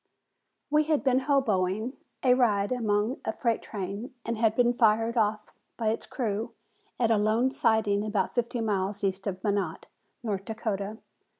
We had been "hoboing" a ride upon a freight train and had been fired off by its crew at a lone siding about fifty miles east of Minot, North Dakota.